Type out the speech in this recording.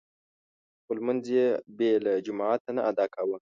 خو لمونځ يې بې له جماعته نه ادا کاوه.